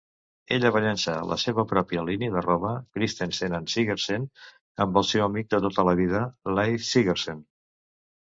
Ella va llençar la seva pròpia línia de roba, "Christensen and Sigersen," amb el seu amic de tota la vida Leif Sigersen.